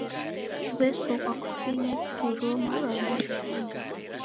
W'esoghwa kutini w'ituruo mabamba na magho.